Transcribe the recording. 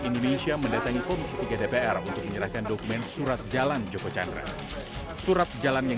indonesia mendatangi komisi tiga dpr untuk menyerahkan dokumen surat jalan joko chandra surat jalan yang